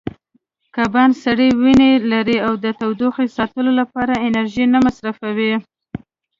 کبان سړې وینې لري او د تودوخې ساتلو لپاره انرژي نه مصرفوي.